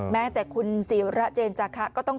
แม้แต่คุณศิระเจนจาคะก็ต้อง